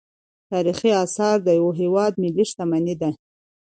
تاریخي اثار د یو هیواد ملي شتمني ده.